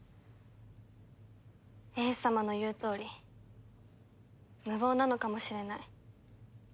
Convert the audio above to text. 英寿様の言うとおり無謀なのかもしれない。